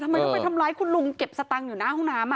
ทำไมต้องไปทำร้ายคุณลุงเก็บสตังค์อยู่หน้าห้องน้ำ